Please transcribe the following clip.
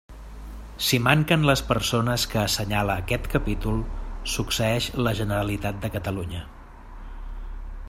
Si manquen les persones que assenyala aquest capítol, succeeix la Generalitat de Catalunya.